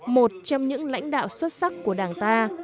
một trong những lãnh đạo xuất sắc của đảng ta